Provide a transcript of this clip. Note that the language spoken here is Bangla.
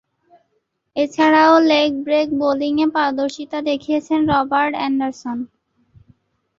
এছাড়াও লেগ ব্রেক বোলিংয়ে পারদর্শিতা দেখিয়েছেন রবার্ট অ্যান্ডারসন।